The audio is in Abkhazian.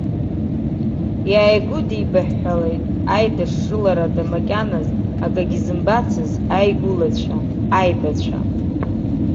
Иааигәыдибаҳәҳәалеит аидашшыларада макьаназ акагьы зымбацыз аигәылацәа, аибацәа.